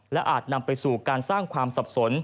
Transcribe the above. และอาจนำไปสู่การสร้างความสับสน